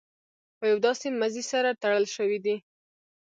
په یو داسې مزي سره تړل شوي دي.